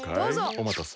おまたせ。